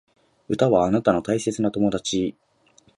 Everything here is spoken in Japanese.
歌はあなたの大切な友達